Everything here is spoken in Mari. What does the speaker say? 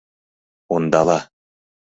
Ондала!